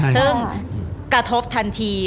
ซึ่งกระทบทันที